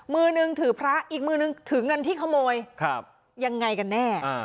มือนึงถือพระอีกมือนึงถือเงินที่ขโมยยังไงกันแน่